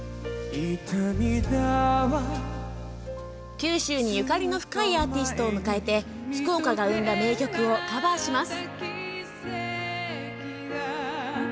九州にゆかりの深いアーティストを迎えて福岡が生んだ名曲をカバーします。